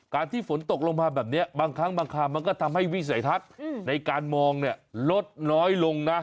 ที่ฝนตกลงมาแบบนี้บางครั้งบางครามมันก็ทำให้วิสัยทัศน์ในการมองเนี่ยลดน้อยลงนะ